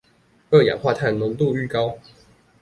二氧化碳濃度愈高